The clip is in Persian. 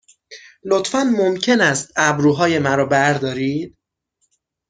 لطفاً ممکن است ابروهای مرا بردارید؟